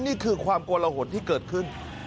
นี่คือความโกละหนที่เกิดขึ้น